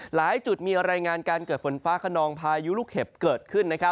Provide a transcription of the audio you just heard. หลายจุดมีรายงานการเกิดฝนฟ้าขนองพายุลูกเห็บเกิดขึ้น